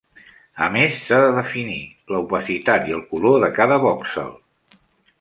A més, s'ha de definir l'opacitat i el color de cada vòxel.